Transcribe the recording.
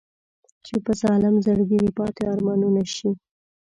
چې په ظالم زړګي دې پاتې ارمانونه نه شي.